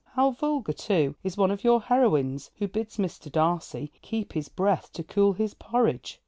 How vulgar, too, is one of your heroines, who bids Mr. Darcy 'keep his breath to cool his porridge.'